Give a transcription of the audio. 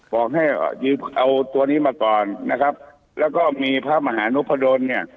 บอกให้ยืมเอาตัวนี้มาก่อนนะครับแล้วก็มีพระมหานพดลเนี่ย